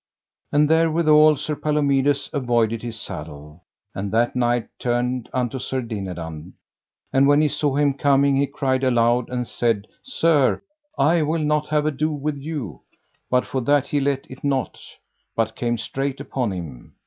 And therewithal Sir Palomides avoided his saddle. And that knight turned unto Sir Dinadan; and when he saw him coming he cried aloud, and said: Sir, I will not have ado with you; but for that he let it not, but came straight upon him.